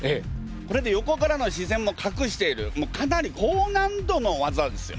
これで横からの視線もかくしているかなり高難度の技ですよ。